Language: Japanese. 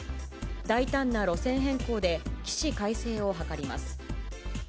大胆な路線変更で、起死回生を図ります。